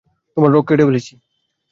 তোমার রগ কেটে দিয়েছি।